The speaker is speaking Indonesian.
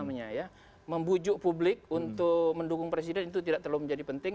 membujuk publik untuk mendukung presiden itu tidak terlalu menjadi penting